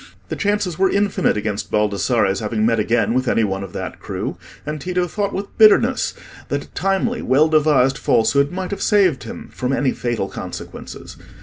The chances were infinite against Baldassarre's having met again with any one of that crew, and Tito thought with bitterness that a timely, well devised falsehood might have saved him from any fatal consequences.